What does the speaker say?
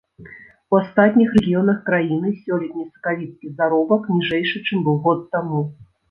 У астатніх рэгіёнах краіны сёлетні сакавіцкі заробак ніжэйшы, чым быў год таму.